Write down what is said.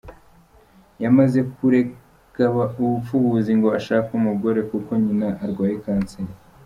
Yamaze kureka ubupfubuzi ngo ashake umugore kuko nyina arwaye cancer .